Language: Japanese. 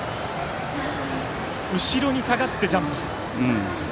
後ろに下がってジャンプ。